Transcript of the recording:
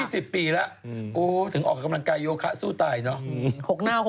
สิบปีแล้วโอ้ถึงออกกำลังกายโยคะสู้ตายเนอะ